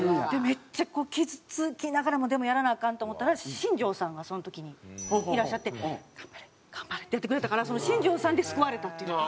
めっちゃ傷つきながらもでもやらなアカンと思ったら新庄さんがその時にいらっしゃって「頑張れ頑張れ」ってやってくれたから新庄さんで救われたというか。